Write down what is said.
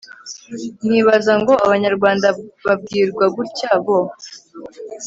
nkibaza ngo abanyarwanda babwirwa gutya bo